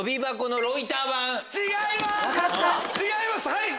違います！